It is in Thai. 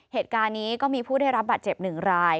เหตุการณ์นี้ก็มีผู้ได้รับบัตรเจ็บ๑ราย